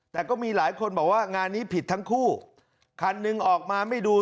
แต่ก็มีหลายคนบอกว่างานนี้ผิดทั้งคู่คันหนึ่งออกมาไม่ดู